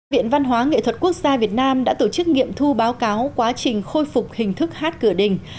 viện văn hóa nghệ thuật quốc gia việt nam đã tổ chức nghiệm thu báo cáo quá trình khôi phục hình thức hát cửa đình